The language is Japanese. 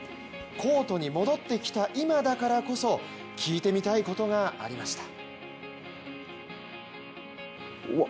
コートに戻ってきた今だからこそ聞いてみたいことがありました。